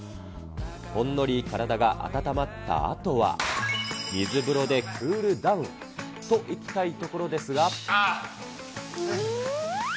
ほんのり体が温まったあとは、水風呂でクールダウンといきたいところですが。